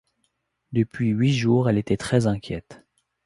Depuis huit jours, elle était très-inquiète.